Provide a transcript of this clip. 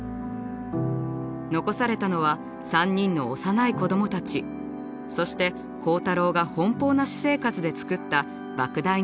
残されたのは３人の幼い子どもたちそして好太郎が奔放な私生活で作ったばく大な借金でした。